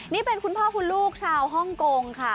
นี่เป็นคุณพ่อคุณลูกชาวฮ่องกงค่ะ